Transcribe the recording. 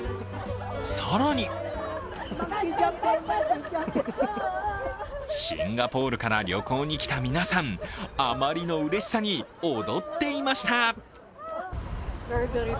更にシンガポールから旅行に来た皆さん、あまりのうれしさに踊っていました。